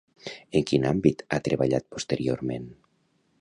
I en quin àmbit ha treballat posteriorment?